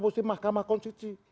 posisi mahkamah konstitusi